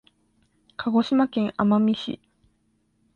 鹿児島県奄美市